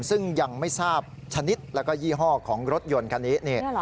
ซึ่งยังไม่ทราบชนิดแล้วก็ยี่ห้อของรถยนต์คันนี้